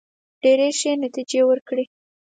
ډېري ښې نتیجې وورکړې.